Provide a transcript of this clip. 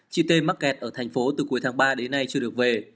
chị tê mắc kẹt ở thành phố từ cuối tháng ba đến nay chưa được về